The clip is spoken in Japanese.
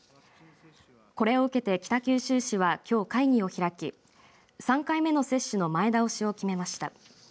これを受けて、北九州市はきょう会議を開き３回目の接種の前倒しを決めました。